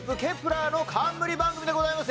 １ｅｒの冠番組でございます。